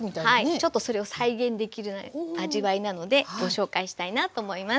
ちょっとそれを再現できる味わいなのでご紹介したいなと思います。